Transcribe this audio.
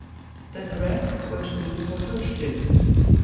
But then the rest was going to be for her to do.